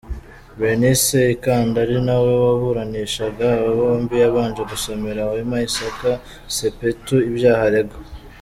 Bernice Ikanda ari nawe waburanishaga aba bombi, yabanje gusomera Wema Isaac Sepetu ibyaha aregwa.